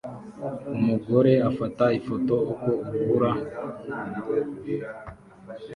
Umugore afata ifoto uko urubura